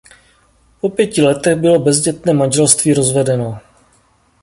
Po pěti letech bylo bezdětné manželství rozvedeno.